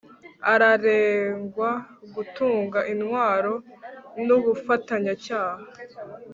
araregwa gutunga intwaro n’ubufatanyacyaha